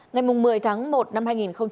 ngày một mươi tháng một năm hai nghìn hai mươi